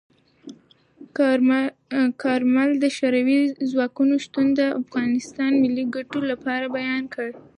کارمل د شوروي ځواکونو شتون د افغانستان د ملي ګټو لپاره بیان کړ.